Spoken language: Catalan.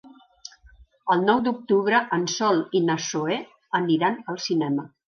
El nou d'octubre en Sol i na Zoè aniran al cinema.